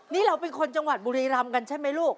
นี่เราเป็นคนจังหวัดบุรีรำกันใช่ไหมลูก